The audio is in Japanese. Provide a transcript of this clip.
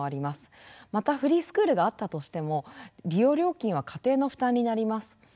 またフリースクールがあったとしても利用料金は家庭の負担になります。